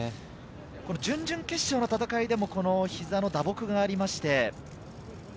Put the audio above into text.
準々決勝の戦いでもひざの打撲がありまして。